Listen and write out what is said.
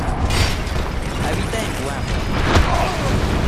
Habita en Guam.